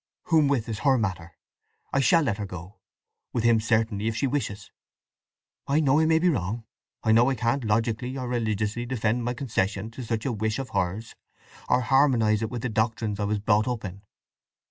"Whom with is her matter. I shall let her go; with him certainly, if she wishes. I know I may be wrong—I know I can't logically, or religiously, defend my concession to such a wish of hers, or harmonize it with the doctrines I was brought up in.